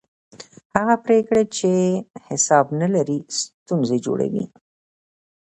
هغه پرېکړې چې حساب نه لري ستونزې جوړوي